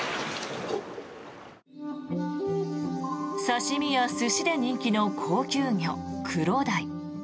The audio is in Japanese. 刺し身や寿司で人気の高級魚クロダイ。